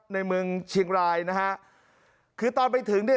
ในเมืองเชียงรายนะฮะคือตอนไปถึงเนี่ย